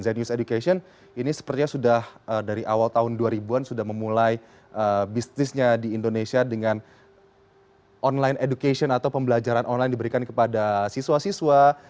genius education ini sepertinya sudah dari awal tahun dua ribu an sudah memulai bisnisnya di indonesia dengan online education atau pembelajaran online diberikan kepada siswa siswa